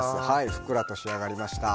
ふっくらと仕上がりました。